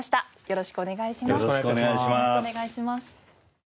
よろしくお願いします。